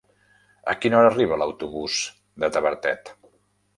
A quina hora arriba l'autobús de Tavertet?